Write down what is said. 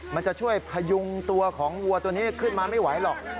มันจะช่วยพยุงตัวของวัวตัวนี้ขึ้นมาไม่ไหวหรอก